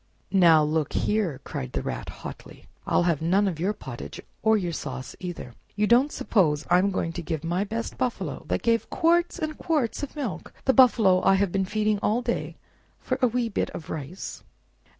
"Now look here!" cried the Rat hotly; "I'll have none of your pottage, or your sauce, either. You don't suppose I am going to give my best buffalo, that gave quarts and quarts of milk—the buffalo I have been feeding all day—for a wee bit of rice?